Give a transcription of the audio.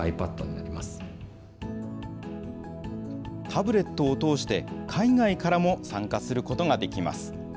タブレットを通して、海外からも参加することができます。